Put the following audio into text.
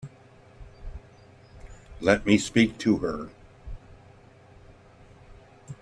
Let me speak to her.